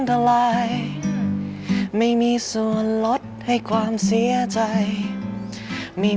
คือเมื่อไหร่จะให้กำลังใจพี่